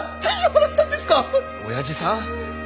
親父さん？